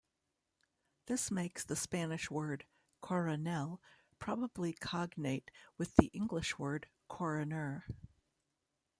This makes the Spanish word "coronel" probably cognate with the English word "coroner".